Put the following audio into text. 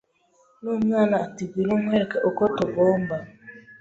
n’umwana ati ngwino nkwereke uko tugomba